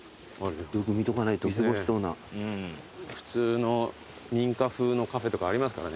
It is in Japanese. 普通の民家風のカフェとかありますからね。